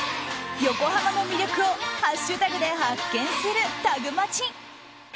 横浜の魅力をハッシュタグで発見する、タグマチ。